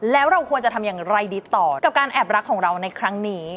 แล้วเราควรจะทำอย่างไรดีต่อกับการแอบรักของเราในครั้งนี้